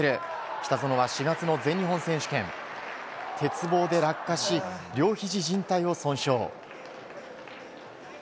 北園は、４月の全日本選手権鉄棒で落下し両ひじじん帯を損傷。